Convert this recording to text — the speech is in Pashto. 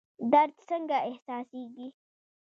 درد څنګه احساسیږي؟